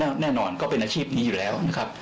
เขาว่าเป็นอาชีพนี้อยู่แล้ว